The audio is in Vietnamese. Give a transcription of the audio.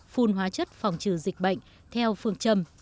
phun hóa chất phòng trừ dịch bệnh theo phương châm